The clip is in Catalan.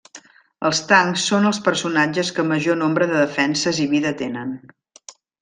Els tancs són els personatges que major nombre de defenses i vida tenen.